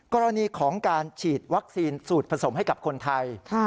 กรณีของการฉีดวัคซีนสูตรผสมให้กับคนไทย